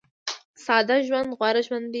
ساده ژوند غوره ژوند دی